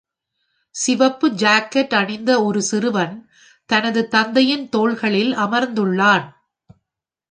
சிவப்பு ஜாக்கெட் அணிந்த ஒரு சிறுவன் தனது தந்தையின் தோள்களில் அமர்ந்துள்ளான்.